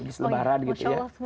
habis lebaran gitu ya